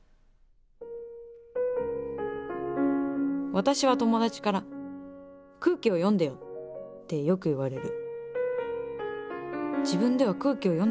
私は友達から「空気を読んでよ」ってよく言われる。